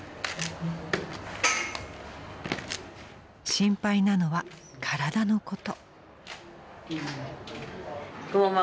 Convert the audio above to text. ［心配なのは体のこと］